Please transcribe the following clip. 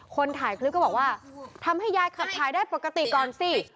คนถ่ายคลิปก็บอกว่าทำให้ยายขับถ่ายได้ปกติก่อนสิ